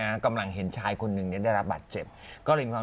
กำลังเห็นชายคนหนึ่งเนี่ยได้รับบาดเจ็บก็เลยมีความ